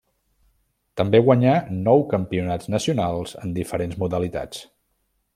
També guanyà nou campionats nacionals en diferents modalitats.